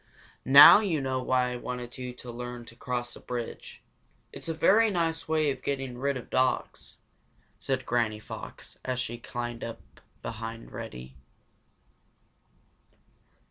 "Now you know why I wanted you to learn to cross a bridge; it's a very nice way of getting rid of dogs," said Granny Fox, as she climbed up beside Reddy.